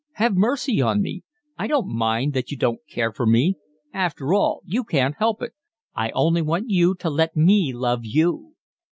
Have mercy on me. I don't mind that you don't care for me. After all you can't help it. I only want you to let me love you."